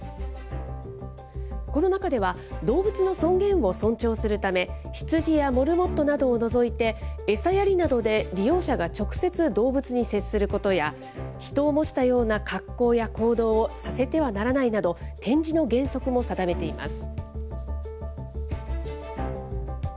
この中では、動物の尊厳を尊重するため、ヒツジやモルモットなどを除いて、餌やりなどで利用者が直接動物に接することや、人を模したような格好や行動をさせてはならないなど、展示の原則も定めています。